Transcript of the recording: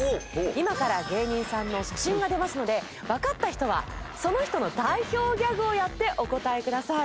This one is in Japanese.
今から芸人さんの写真が出ますのでわかった人はその人の代表ギャグをやってお答えください。